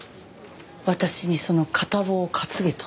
私にその片棒を担げと？